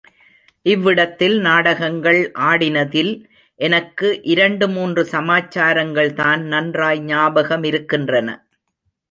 இவ்விடத்தில் நாடகங்கள் ஆடினதில் எனக்கு இரண்டு மூன்று சமாச்சாரங்கள்தான் நன்றாய் ஞாபகமிருக்கின்றன.